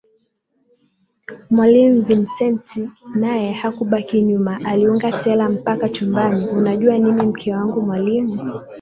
Mwalimu Vincent naye hakubaki nyuma aliunga tela mpaka chumbani Unajua nini mke wangu Mwalimu